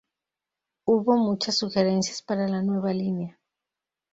Hubo muchas sugerencias para la nueva línea.